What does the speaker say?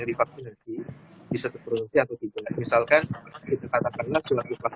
di vaksin nanti bisa terproduksi atau tidak misalkan kita katakanlah selama vaksin